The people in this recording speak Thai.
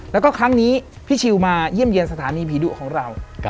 แล้วก็ครั้งนี้พี่ชิลมาเยี่ยมเยี่ยมสถานีผีดุของเรา